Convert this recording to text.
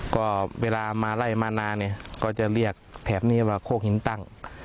ก็เวลามาไล่มานานเนี่ยก็จะเรียกแถบนี้ว่าโคกหินตั้ง